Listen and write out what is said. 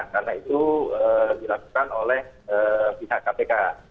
karena itu dilakukan oleh pihak kpk